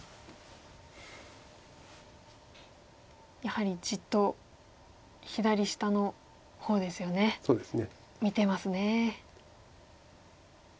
やはりじっと左下の方ですよね見てますね。